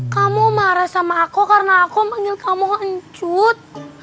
kamu marah sama aku karena aku manggil kamu ngecut